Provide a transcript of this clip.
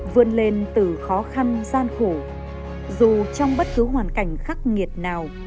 vươn lên từ khó khăn gian khổ dù trong bất cứ hoàn cảnh khắc nghiệt nào